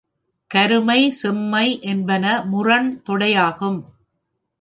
கருமை செம்மை என்பன முரண் தொடையாகும்.